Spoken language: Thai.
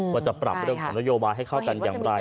ว่าจะปรับเรื่องของนโยบายให้เข้ากันอย่างไร